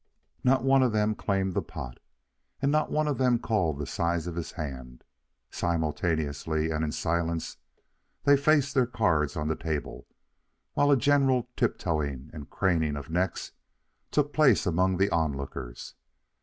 Not one of them claimed the pot, and not one of them called the size of his hand. Simultaneously and in silence they faced their cards on the table, while a general tiptoeing and craning of necks took place among the onlookers.